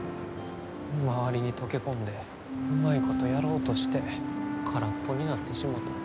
周りに溶け込んでうまいことやろうとして空っぽになってしもた。